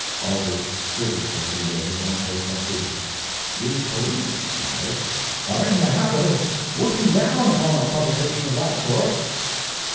Aldrich stood it for a few days, then protested. "The police," he said, "are in the habit of swooping down upon a publication of that sort."